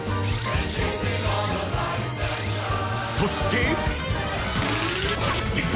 そして。